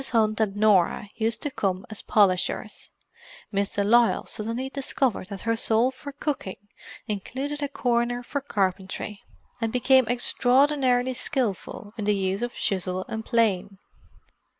Hunt and Norah used to come as polishers; Miss de Lisle suddenly discovered that her soul for cooking included a corner for carpentry, and became extraordinarily skilful in the use of chisel and plane.